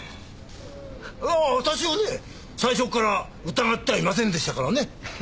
ああ私はね最初から疑ってはいませんでしたからね。